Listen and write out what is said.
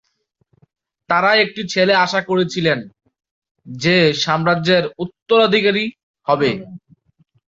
তারা একটি ছেলে আশা করছিলেন যে সম্রাজ্যের উত্তরাধিকারী হবে।